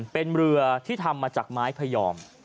เป็นเรือที่ทำมาจากไม้พยอม